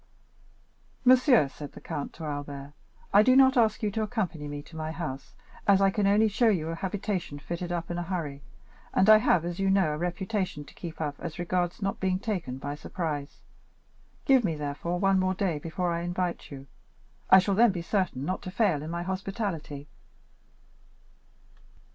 "Monsieur," said the count to Albert, "I do not ask you to accompany me to my house, as I can only show you a habitation fitted up in a hurry, and I have, as you know, a reputation to keep up as regards not being taken by surprise. Give me, therefore, one more day before I invite you; I shall then be certain not to fail in my hospitality."